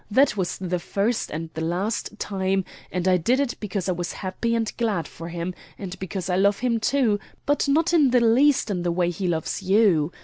That was the first and the last time, and I did it because I was happy and glad for him; and because I love him too, but not in the least in the way he loves you.